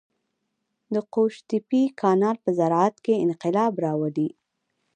د قوشتېپې کانال په زراعت کې انقلاب راولي.